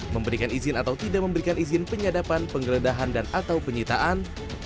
memberikan izin atau tidak memberikan izin penyadapan penggeledahan dan atau penyitaan